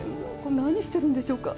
何をしているんでしょうか。